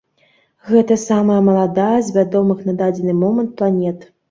Гэта самая маладая з вядомых на дадзены момант планет.